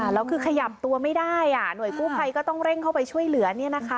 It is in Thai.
แล้วคือขยับตัวไม่ได้หน่วยกู้ภัยก็ต้องเร่งเข้าไปช่วยเหลือ